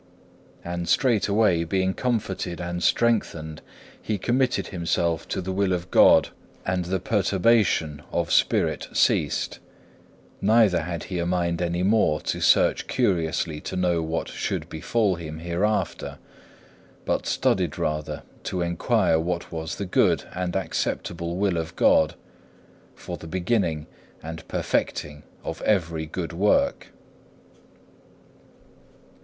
And straightway being comforted and strengthened, he committed himself to the will of God and the perturbation of spirit ceased, neither had he a mind any more to search curiously to know what should befall him hereafter, but studied rather to inquire what was the good and acceptable will of God, for the beginning and perfecting of every good work.